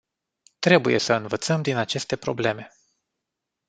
Trebuie să învățăm din aceste probleme.